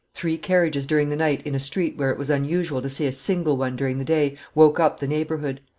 "Three carriages during the night, in a street where it was unusual to see a single one during the day, woke up the neighborhood.